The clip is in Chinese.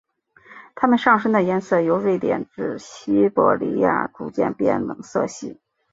它们上身的颜色由瑞典至西伯利亚逐渐变冷色系。